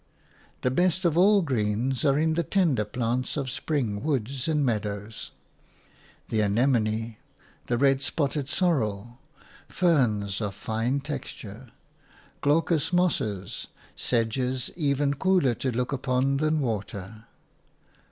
The best of all greens are in the tender plants of spring woods and meadows – the anemone, the red spotted sorrel, ferns of fine texture, glaucous mosses, sedges even cooler to look upon than water.